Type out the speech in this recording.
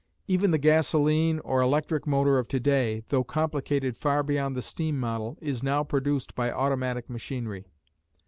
Even the gasoline or the electric motor of to day, though complicated far beyond the steam model, is now produced by automatic machinery.